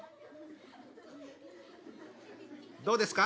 どうですか？